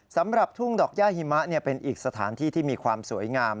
สำหรับทุ่งดอกย่าหิมะเป็นอีกสถานที่ที่มีความสวยงาม